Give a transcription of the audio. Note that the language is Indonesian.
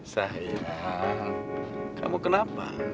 sayang kamu kenapa